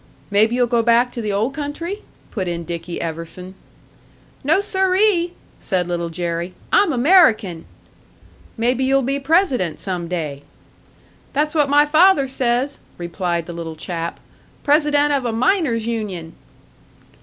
"Maybe you'll go back to the old country?" put in Dicky Everson. "No, sir ee!" said Little Jerry. "I'm American." "Maybe you'll be president some day." "That's what my father says," replied the little chap "president of a miners' union."